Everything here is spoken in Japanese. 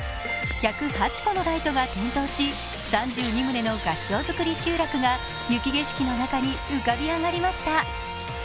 １０８個のライトが点灯し、３２棟の合掌造り集落が雪景色の中に浮かび上がりました。